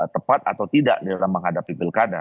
tepat atau tidak dalam menghadapi pilkada